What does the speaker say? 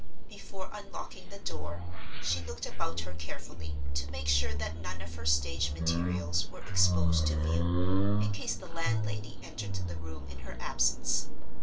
Before unlocking the door, she looked about her carefully, to make sure that none of her stage materials were exposed to view in case the landlady entered the room in her absence.